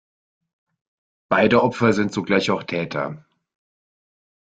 Beide Opfer sind zugleich auch Täter.